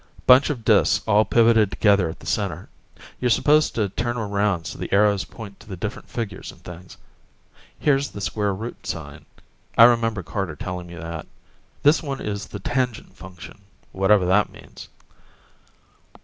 Bunch of disks all pivoted together at the center; you're supposed to turn 'em around so the arrows point to the different figures and things. Here's the square root sign, I remember Carter telling me that. This one is the Tangent Function, whatever that means.